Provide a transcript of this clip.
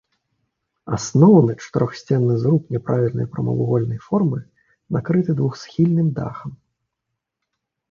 Асноўны чатырохсценны зруб няправільнай прамавугольнай формы накрыты двухсхільным дахам.